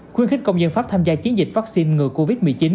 khuyến khích công dân pháp tham gia chiến dịch vaccine ngừa covid một mươi chín